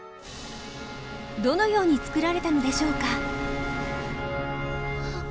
どのように作られたのでしょうか？